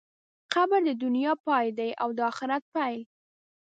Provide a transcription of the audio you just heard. قبر د دنیا پای دی او د آخرت پیل.